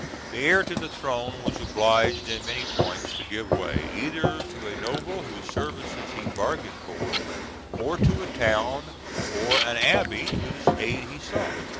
The heir to the throne was obliged in many points to give way, either to a noble whose services he bargained for, or to a town or an abbey whose aid he sought.